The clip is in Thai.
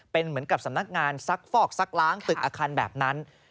เป็นเหมือนกับสำนักงานซักฟอกซักล้างตึกอาคารแบบนั้น